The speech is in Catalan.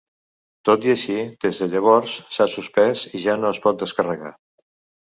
Tot i així, des de llavors s'ha suspès i ja no es pot descarregar.